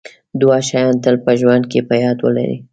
دوه شیان تل په ژوند کې په یاد ولرئ.